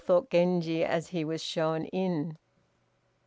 thought Genji, as he was shown in.